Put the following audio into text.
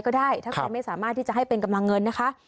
ก็ได้ถ้าใครไม่สามารถที่จะให้เป็นกำลังเงินนะคะ